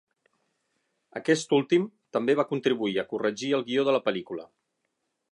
Aquest últim també va contribuir a corregir el guió de la pel·lícula.